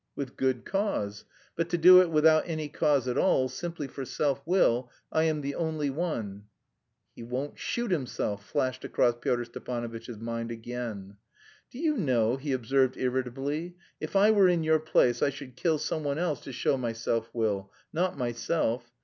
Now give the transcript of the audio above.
"With good cause. But to do it without any cause at all, simply for self will, I am the only one." "He won't shoot himself," flashed across Pyotr Stepanovitch's mind again. "Do you know," he observed irritably, "if I were in your place I should kill someone else to show my self will, not myself.